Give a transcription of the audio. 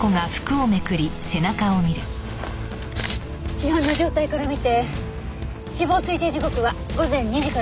死斑の状態から見て死亡推定時刻は午前２時から３時の間。